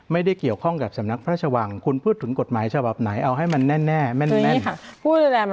ไม่ได้เกี่ยวข้องกับสำนักพระราชวังคุณพูดถึงกฎหมายฉภาพ